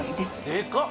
でかっ。